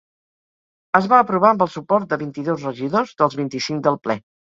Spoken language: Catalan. Es va aprovar amb el suport de vint-i-dos regidors dels vint-i-cinc del ple.